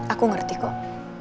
aku ngerti kok